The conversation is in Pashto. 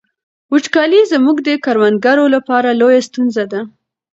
وچکالي زموږ د کروندګرو لپاره لویه ستونزه ده.